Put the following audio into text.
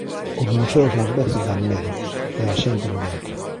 Os museos ás veces dan medo, e a xente non entra.